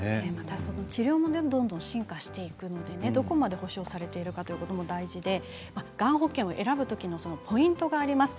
治療もどんどん進化していくのでどこまで保障されているかというのも大事でがん保険を選ぶときのポイントがあります。